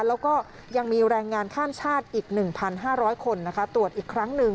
แล้วก็ยังมีแรงงานข้ามชาติอีก๑๕๐๐คนตรวจอีกครั้งหนึ่ง